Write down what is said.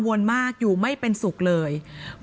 หนูจะให้เขาเซอร์ไพรส์ว่าหนูเก่ง